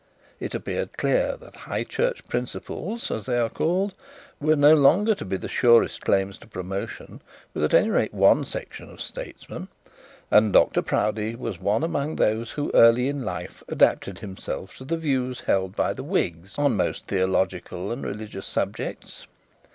It appeared clear that high church principles, as they are called, were no longer to be the surest claims to promotion with at any rate one section of statesmen, and Dr Proudie was one among those who early in life adapted himself to the views held by the whigs on most theological and religious subjects.